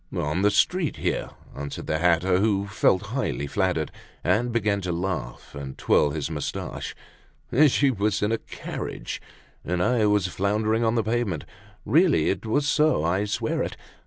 "Oh, in the street here," answered the hatter, who felt highly flattered, and began to laugh and twirl his moustaches. "She was in a carriage and I was floundering on the pavement. Really it was so, I swear it!